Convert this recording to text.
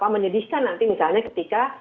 menyedihkan nanti misalnya ketika